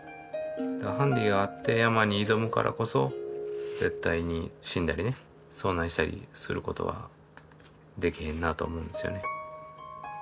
ハンディがあって山に挑むからこそ絶対に死んだりね遭難したりすることはできへんなと思うんですよね。